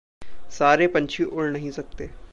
सारे पंछी उड़ नहीं सकते।